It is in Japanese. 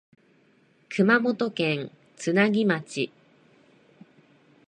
熊本県津奈木町